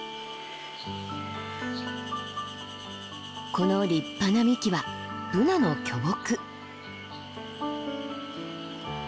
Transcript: この立派な幹はブナの巨木。